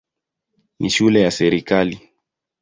Ni shule ya serikali.